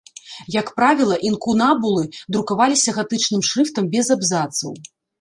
Як правіла, інкунабулы друкаваліся гатычным шрыфтам без абзацаў.